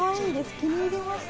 気に入りました。